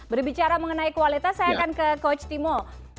berbicara mengenai kualitas saya akan ke coach timo